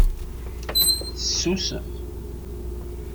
Tessusef.